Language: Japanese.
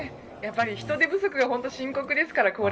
人手不足が今後深刻ですから。